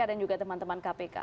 dan juga teman teman kpk